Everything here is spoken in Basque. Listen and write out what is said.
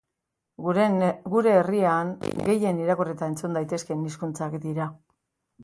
Gure herrian gehien irakur eta entzun daitezkeen hizkuntzak dira.